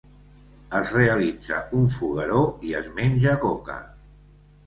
Es realitza un fogueró i es menja coca.